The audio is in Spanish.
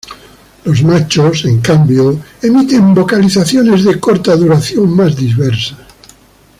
Los machos en cambio, emiten vocalizaciones de corta duración más diversas.